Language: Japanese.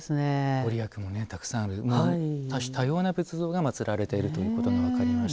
御利益もたくさんあり多種多様な仏像が祭られているということが分かりました。